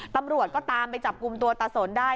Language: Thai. ตำรวจก็ตามไปจับกลุ่มตัวตาสนได้